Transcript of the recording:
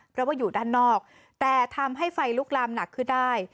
เพราะว่าอยู่ด้านนอกแต่ทำให้ไฟลุกลามหนักขึ้นได้